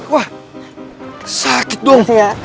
wah sakit dong